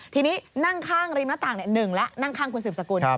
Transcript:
ทีนี้นั่งข้างริมหน้าต่างหนึ่งละนั่งข้างคุณศึกษกุล